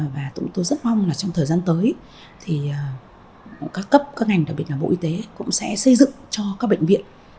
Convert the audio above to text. và tôi rất mong là trong thời gian tới thì các cấp các ngành đặc biệt là bộ y tế cũng sẽ xây dựng cho các bệnh viện